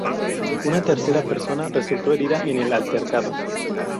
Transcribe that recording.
Una tercera persona resultó herida en el altercado.